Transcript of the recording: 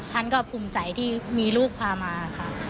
ท่านก็ภูมิใจที่มีลูกพามาค่ะ